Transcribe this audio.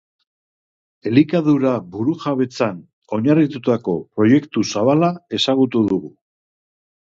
Elikadura burujabetzan oinarritutako proiektu zabala ezagutu dugu.